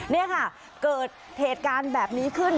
นี่ค่ะเกิดเหตุการณ์แบบนี้ขึ้น